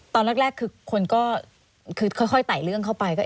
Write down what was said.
ตอนแรกคือคนก็คือค่อยไต่เรื่องเข้าไป